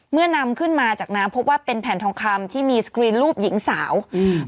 นำขึ้นมาจากน้ำพบว่าเป็นแผ่นทองคำที่มีสกรีนรูปหญิงสาวอืม